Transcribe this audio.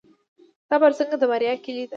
صبر څنګه د بریا کیلي ده؟